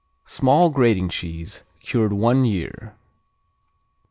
Small grating cheese, cured one year.